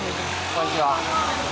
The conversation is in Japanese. こんにちは。